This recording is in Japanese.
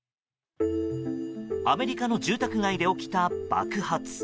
アメリカの住宅街で起きた爆発。